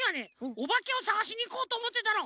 おばけをさがしにいこうとおもってたの。